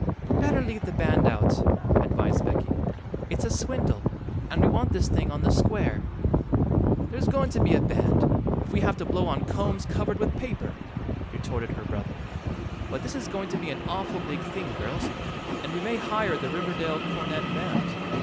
"Better leave the band out," advised Becky. "It's a swindle, and we want this thing on the square." "There's going to be a band if we have to blow on combs covered with paper," retorted her brother. "But this is going to be an awful big thing, girls, and we may hire the Riverdale Cornet Band."